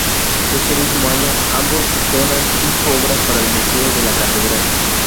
Ese mismo años ambos donan cinco obras para el Museo de la Catedral.